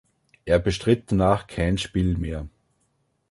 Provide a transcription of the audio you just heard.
Er bestritt danach kein Spiel mehr.